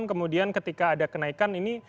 kemudian ketika ada kenaikan ini